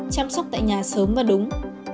chăm sóc tại nhà sớm và đúng